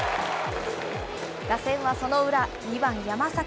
打線はその裏、２番山崎。